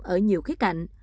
ở nhiều khía cạnh